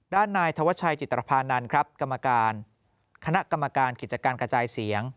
ด้านนายธวัชชัยจิตรภานันครับกรรมการคณะกรรมการกิจการกระจายเสียง